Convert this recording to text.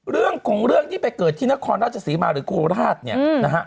เรื่องของเรื่องที่ไปเกิดที่นครราชศรีมาหรือโคราชเนี่ยนะฮะ